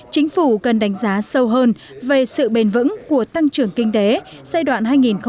chính phủ cần đánh giá sâu hơn về sự bền vững của tăng trưởng kinh tế giai đoạn hai nghìn một mươi sáu hai nghìn hai mươi